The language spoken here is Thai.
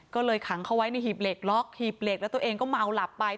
ก็เลยขังเขาไว้ในหีบเหล็กล็อกหีบเหล็กแล้วตัวเองก็เมาหลับไป